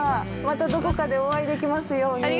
またどこかでお会いできますように。